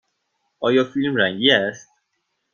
آیا فیلم رنگی است؟